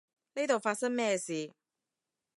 呢度發生咩事？